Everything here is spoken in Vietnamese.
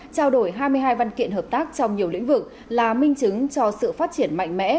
trao đổi hai mươi hai văn kiện hợp tác trong nhiều lĩnh vực là minh chứng cho sự phát triển mạnh mẽ